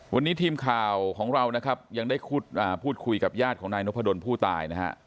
วันนี้ทีมข่าวของเรานะครับยังได้พูดคุยกับญาติของนายนพดลผู้ตายนะฮะ